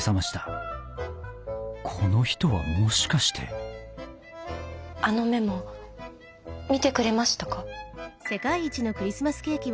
この人はもしかしてあのメモ見てくれましたか？